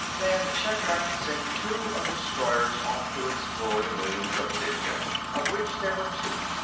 Vann Shatrak sent two of the destroyers off to explore the moons of Aditya, of which there were two.